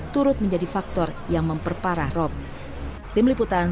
turut menjadi faktor yang memperkenalkan